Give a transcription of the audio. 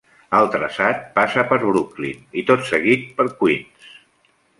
El traçat passa per Brooklyn i tot seguit per Queens.